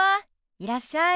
いらっしゃい。